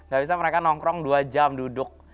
gak bisa mereka nongkrong dua jam duduk